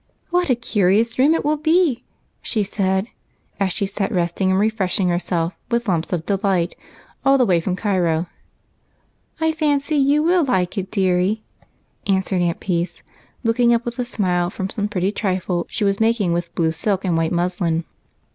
" What a curious room it will be," she said, as she sat resting and refreshing herself with "Lumps of Delight," all the way from Cairo. "I fancy you will like it, deary," answered Aunt Peace, looking up with a smile from some pretty trifle she was making with blue silk and white muslin.